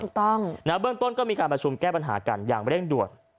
เบื้องต้นก็มีการประชุมแก้ปัญหากันอย่างเร่งด่วน